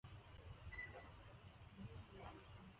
Umugabo wambaye ibyuya abyina munsi